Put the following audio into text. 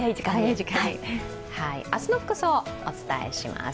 明日の服装、お伝えします。